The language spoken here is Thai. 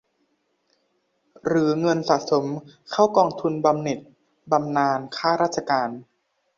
หรือเงินสะสมเข้ากองทุนบำเหน็จบำนาญข้าราชการ